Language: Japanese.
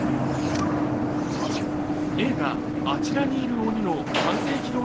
映画「あちらにいる鬼」の完成披露